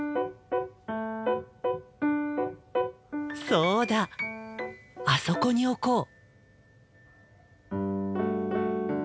そうだあそこに置こう。